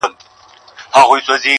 د ګیدړ باټو له حاله وو ایستلی!.